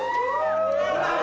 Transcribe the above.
sudah com potong kita